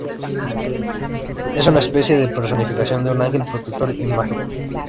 Es una especie de personificación de un ángel protector y mágico.